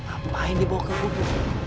apa yang dibawa ke buku